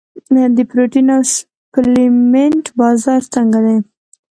د پروټین او سپلیمنټ بازار څنګه دی؟